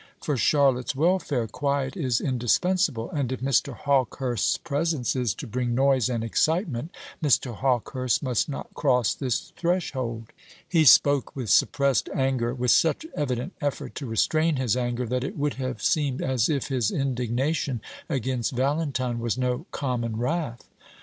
For Charlotte's welfare quiet is indispensable; and if Mr. Hawkehurst's presence is to bring noise and excitement, Mr. Hawkehurst must not cross this threshold." He spoke with suppressed anger; with such evident effort to restrain his anger, that it would have seemed as if his indignation against Valentine was no common wrath.